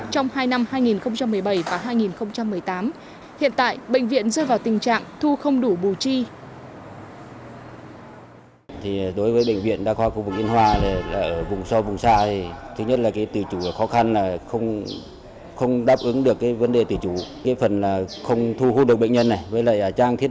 trong hai năm hai nghìn một mươi bảy và hai nghìn một mươi tám hiện tại bệnh viện rơi vào tình trạng thu không đủ bù chi